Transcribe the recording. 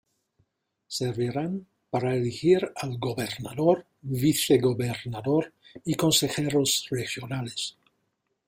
Servirán para elegir al gobernador, vicegobernador y consejeros regionales.